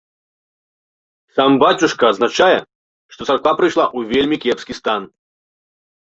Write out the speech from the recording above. Сам бацюшка адзначае, што царква прыйшла ў вельмі кепскі стан.